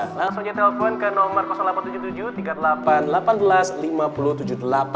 langsung aja telepon ke nomor delapan ratus tujuh puluh tujuh tiga puluh delapan delapan belas lima puluh tujuh puluh delapan